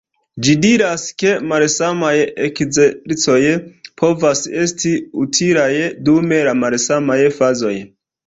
Ĝi diras, ke malsamaj ekzercoj povas esti utilaj dum malsamaj fazoj.